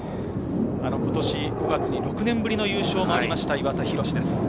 今年５月に６年ぶりの優勝もありました、岩田寛です。